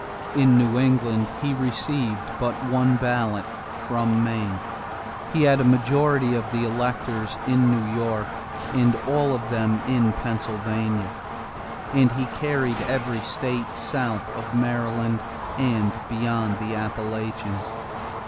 In New England, he received but one ballot, from Maine; he had a majority of the electors in New York and all of them in Pennsylvania; and he carried every state south of Maryland and beyond the Appalachians.